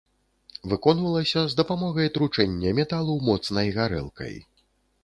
Выконвалася з дапамогай тручэння металу моцнай гарэлкай.